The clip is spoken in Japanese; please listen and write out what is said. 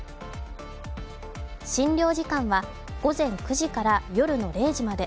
診療時間は午前９時から夜の０時まで。